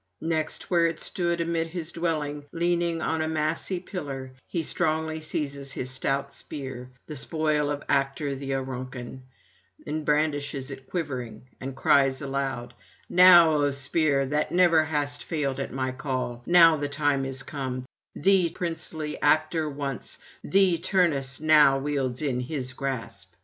Next, where it stood amid his dwelling leaning on a massy pillar, he strongly seizes his stout spear, the spoil of Actor the Auruncan, and brandishes it quivering, and cries aloud: 'Now, O spear that never hast failed at my call, now the time is come; thee princely Actor once, thee Turnus now wields in his grasp.